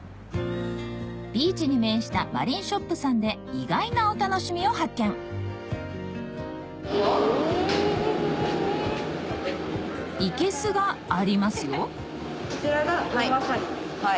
ビーチに面したマリンショップさんで意外なお楽しみを発見いけすがありますよこちらが。